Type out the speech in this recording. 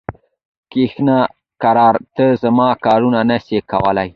کښینه کرار! ته زما کارونه نه سې کولای.